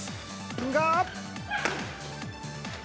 が。